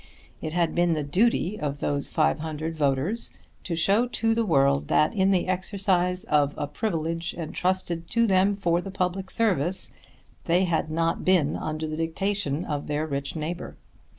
It had been the duty of those 500 voters to show to the world that in the exercise of a privilege entrusted to them for the public service they had not been under the dictation of their rich neighbour.